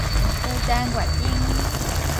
余陳月瑛